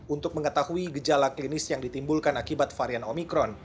untuk mengetahui gejala klinis yang ditimbulkan akibat varian omikron